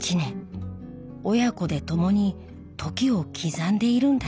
親子で共に時を刻んでいるんだって。